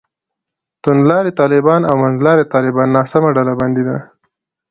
توندلاري طالبان او منځلاري طالبان ناسمه ډلبندي ده.